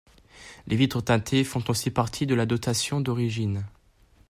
Les vitres teintées font aussi partie de la dotation d'origine.